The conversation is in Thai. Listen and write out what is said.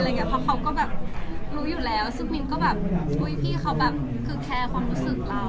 เพราะเขาก็แบบรู้อยู่แล้วซึ่งมินก็แบบอุ๊ยพี่เขาแบบคือแคร์ความรู้สึกเรา